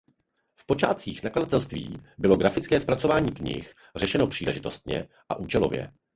V počátcích nakladatelství bylo grafické zpracování knih řešeno příležitostně a účelově.